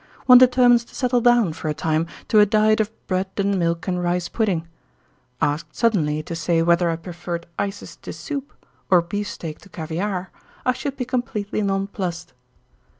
One determines to settle down, for a time, to a diet of bread and milk and rice pudding. Asked suddenly to say whether I preferred ices to soup, or beef steak to caviare, I should be completely nonplussed.